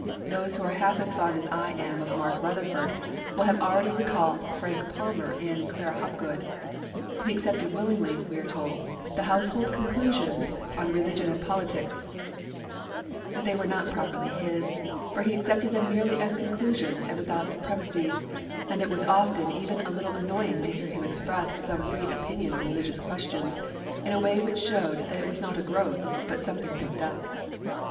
Those who are half as fond as I am of Mark Rutherford will have already recalled Frank Palmer in Clara Hopgood. 'He accepted willingly,' we are told, 'the household conclusions on religion and politics, but they were not properly his, for he accepted them merely as conclusions and without the premisses, and it was often even a little annoying to hear him express some free opinion on religious questions in a way which showed that it was not a growth, but something picked up.'